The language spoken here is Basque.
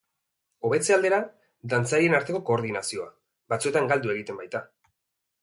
Hobetze aldera, dantzarien arteko koordinazioa, batzuetan galdu egiten baita.